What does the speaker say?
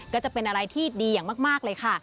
ก็จะเป็นอะไรที่ดีอย่างมากเลยค่ะ